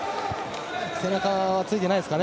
背中ついてないですかね。